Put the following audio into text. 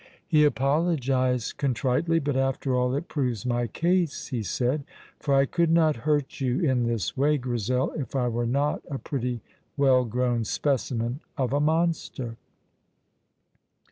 He apologized contritely. "But, after all, it proves my case," he said, "for I could not hurt you in this way, Grizel, if I were not a pretty well grown specimen of a monster."